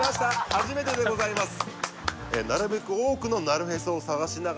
初めてでございます